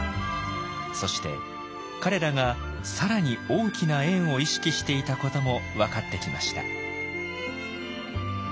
そして彼らが更に大きな円を意識していたことも分かってきました。